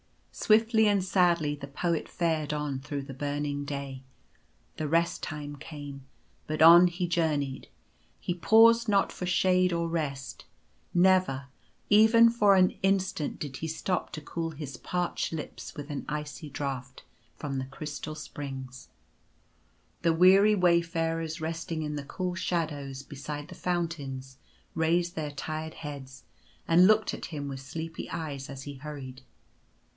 Swiftly and sadly the Poet fared on through the burning day. The Rest Time came ; but on he journeyed. He paused not for shade or rest. Never, even for an instant did he stop to cool his parched lips with an icy draught from the crystal springs. At the Portal. 1 4 1 The weary wayfarers resting in the cool shadows be side the fountains raised their tired heads and looked at him with sleepy eyes as he hurried.